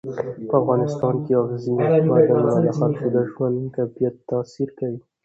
په افغانستان کې اوبزین معدنونه د خلکو د ژوند په کیفیت تاثیر کوي.